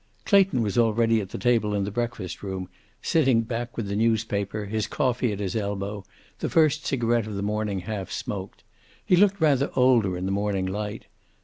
Clayton was already at the table in the breakfast room, sitting back with the newspaper, his coffee at his elbow, the first cigarette of the morning half smoked. He looked rather older in the morning light.